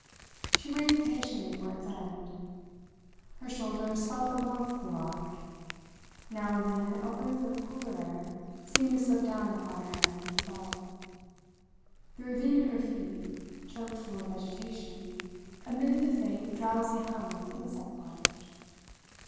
She waited patiently for its end. Her shoulders felt the warmth of the rock; now and then a whiff of cooler air seemed to slip down upon her head from above; the ravine at her feet, choked full of vegetation, emitted the faint, drowsy hum of insect life.